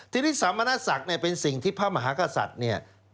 ทีนี้สัมมณาศักดิ์เป็นสิ่งที่พระมหากษัตริย์